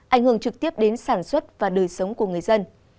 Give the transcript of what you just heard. ảnh hưởng trực tiếp đến sản xuất và đời sống của người dân